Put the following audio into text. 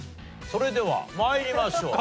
それでは参りましょう。